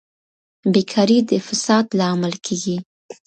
بېکاري د فساد لامل کیږي.